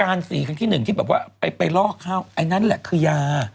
สี่ครั้งที่หนึ่งที่แบบว่าไปลอกเข้าอันนั้นแหละคือยา